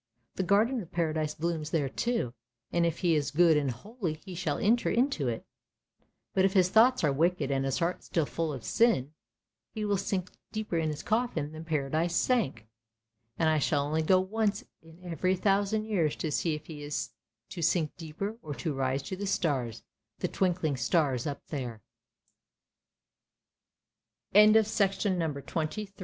The Garden of Paradise blooms there too, and if he is good and holy he shall enter into it; but if his thoughts are wicked and his heart still full of sin, he will sink deeper in his coffin than Paradise sank, and I shall only go once in every thousand years to see if he is to sink deeper or to rise to the stars, the twinkling stars up there," LITTLE TUK NOW there was